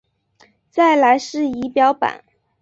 再来是仪表板